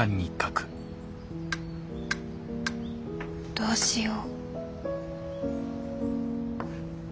どうしよう。